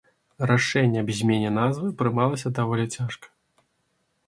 Рашэнне аб змене назвы прымалася даволі цяжка.